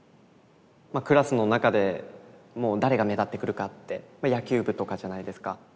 まあクラスの中でもう誰が目立ってくるかって野球部とかじゃないですか。